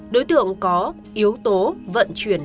đối tượng có yếu tố vận chuyển